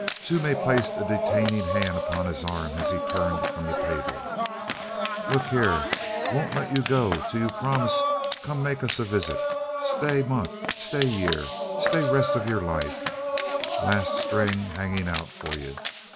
Toomey placed a detaining hand upon his arm as he turned from the table. "Look here! Won't let you go till you promise come make us a visit stay month stay year stay rest o' your life la'sh string hanging' out for you.